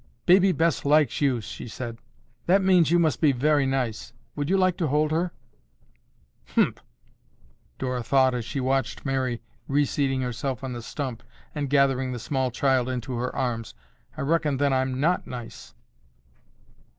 "Baby Bess likes you," she said. "That means you must be very nice. Would you like to hold her?" "Humph!" Dora thought as she watched Mary reseating herself on the stump and gathering the small child into her arms, "I reckon then I'm not nice."